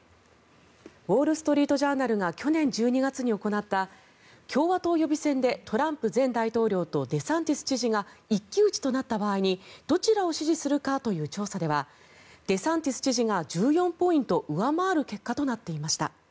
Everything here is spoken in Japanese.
ウォール・ストリート・ジャーナルが去年１２月に行った共和党予備選でトランプ前大統領とデサンティス知事が一騎打ちとなった場合にどちらを支持するかという調査ではデサンティス知事が１４ポイント上回る結果となっていました。